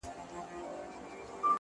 په ځان وهلو باندي ډېر ستړی سو” شعر ليکي”